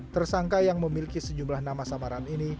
tersangka yang memiliki sejumlah nama samaran ini